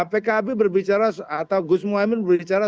pkb berbicara atau gusmohaimin berbicara